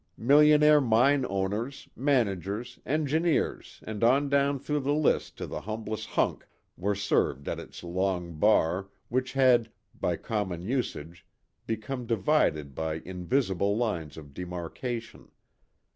Millionaire mine owners, managers, engineers, and on down through the list to the humblest "hunk," were served at its long bar, which had, by common usage become divided by invisible lines of demarkation.